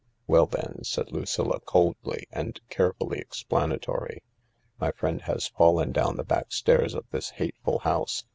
" Well, then," said Lucilla, coldly and carefully explana tory, "my friend has fallen down the back stairs of this hateful house.